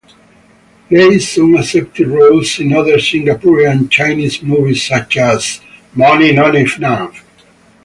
Lai soon accepted roles in other Singaporean Chinese movies such as "Money No Enough".